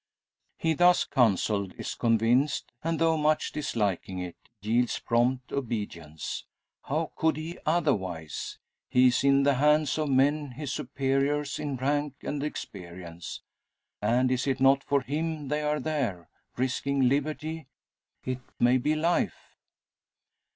He thus counselled is convinced: and, though much disliking it, yields prompt obedience. How could he otherwise? He is in the hands of men his superiors in rank as experience. And is it not for him they are there; risking liberty it may be life?